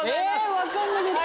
分かんなかった。